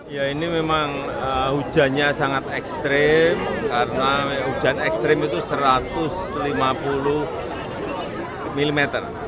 ya ini memang hujannya sangat ekstrim karena hujan ekstrim itu satu ratus lima puluh mm